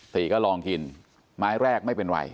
ตีก็ลองกินไม้แรกไม่เป็นไร